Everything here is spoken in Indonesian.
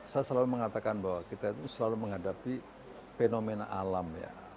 saya selalu mengatakan bahwa kita itu selalu menghadapi fenomena alam ya